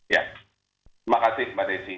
ya terima kasih mbak desi